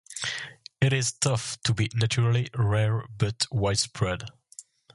It is thought to be naturally rare but widespread.